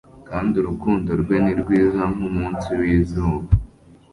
kandi urukundo rwe ni rwiza nkumunsi wizuba